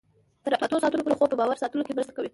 تر اتو ساعتونو پورې خوب په باور ساتلو کې مرسته کوي.